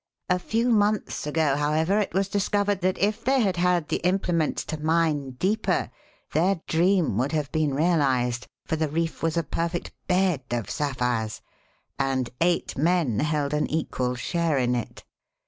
A few months ago, however, it was discovered that if they had had the implements to mine deeper, their dream would have been realized, for the reef was a perfect bed of sapphires and eight men held an equal share in it.